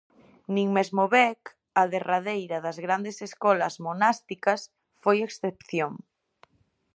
Nin mesmo Bec, a derradeira das grandes escolas monásticas, foi excepción.